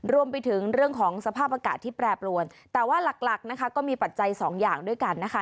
รวมไปถึงเรื่องของสภาพอากาศที่แปรปรวนแต่ว่าหลักหลักนะคะก็มีปัจจัยสองอย่างด้วยกันนะคะ